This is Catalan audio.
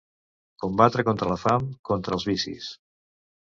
Combatre contra la fam, contra els vicis.